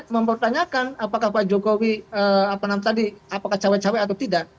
mempertanyakan apakah pak jokowi apa namanya tadi apakah cawe cawe atau tidak